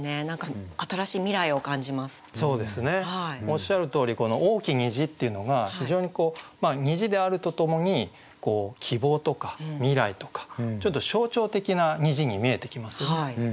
おっしゃるとおりこの「大き虹」っていうのが非常にこう虹であるとともに希望とか未来とかちょっと象徴的な虹に見えてきますよね。